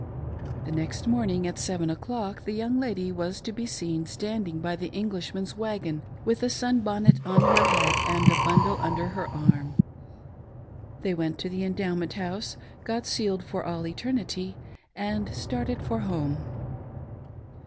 The neJft morning, at seven o'clock, the young lady was to be seen standing by the Englishman's wagon with a sunbon net on her head and a bundle under her arm. They went to the Endowment House, got sealed for all eternity, and started for home.